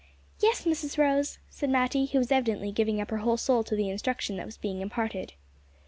"Yes, Mrs Rose," said Matty, who was evidently giving up her whole soul to the instruction that was being imparted.